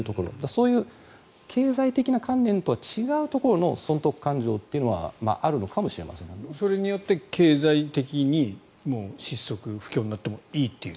そういう経済的な観念とは違うところの損得勘定というのはそれによって経済的に失速不況になってもいいという。